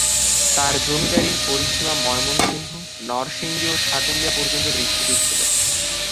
তার জমিদারীর পরিসীমা ময়মনসিংহ, নরসিংদী ও সাটুরিয়া পর্যন্ত বিস্তৃত ছিল।